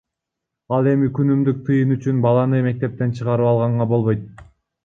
Ал эми күнүмдүк тыйын үчүн баланы мектептен чыгарып алган болбойт.